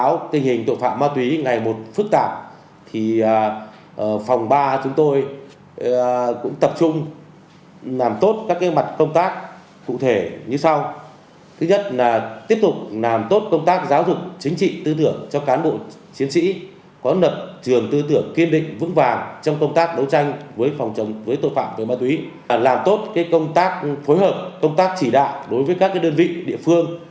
làm tốt công tác phối hợp công tác chỉ đạo đối với các đơn vị địa phương